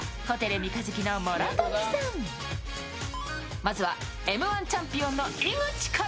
まずはＭ−１チャンピオンの井口から。